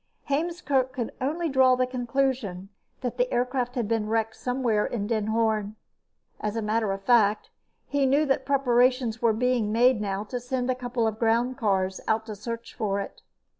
Heemskerk could only draw the conclusion that the aircraft had been wrecked somewhere in Den Hoorn. As a matter of fact, he knew that preparations were being made now to send a couple of groundcars out to search for it.